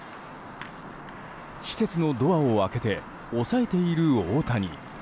施設のドアを開けて押さえている大谷。